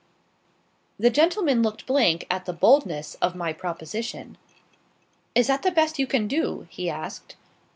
The gentleman looked blank at the boldness of my proposition. "Is that the best you can do?" he asked.